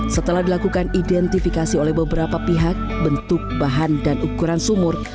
setelah dilakukan identifikasi oleh beberapa pihak bentuk bahan dan ukuran sumur